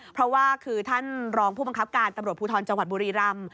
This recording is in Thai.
เพราะว่าคือท่านรองผู้บังคับการตำรวจภูทรจังหวัดบุรีรำ